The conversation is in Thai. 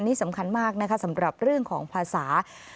นี่สำคัญมากนะคะสำหรับเรื่องของภาษา